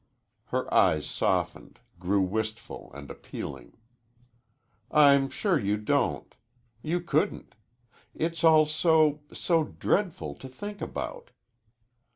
Her eyes softened, grew wistful and appealing. "I'm sure you don't. You couldn't. It's all so so dreadful to think about."